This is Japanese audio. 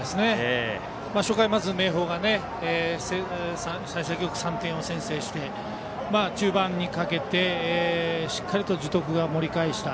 初回、まず明豊が幸先よく３点を先制して中盤にかけてしっかりと樹徳が盛り返した。